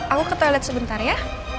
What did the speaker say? aku ke toilet sebentar ya